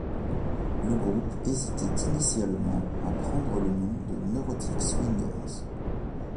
Le groupe hésitait initialement à prendre le nom de Neurotic Swingers.